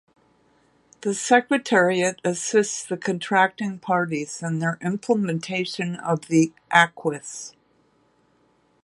The Secretariat assists the Contracting Parties in their implementation of the acquis.